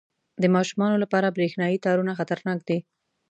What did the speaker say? • د ماشومانو لپاره برېښنايي تارونه خطرناک دي.